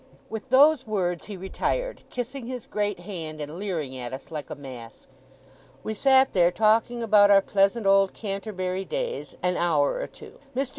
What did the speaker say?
With those words, he retired, kissing his great hand, and leering at us like a mask. We sat there, talking about our pleasant old Canterbury days, an hour or two. Mr.